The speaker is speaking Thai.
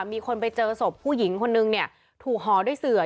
มีคนไปเจอศพผู้หญิงคนนึงเนี่ยถูกห่อด้วยเสือ